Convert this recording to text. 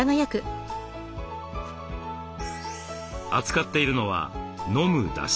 扱っているのは「飲むだし」。